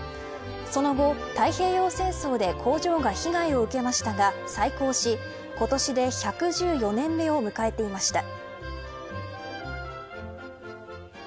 その後、太平洋戦争で工場が被害を受けましたが再興し今年で１１４年目を迎えていました。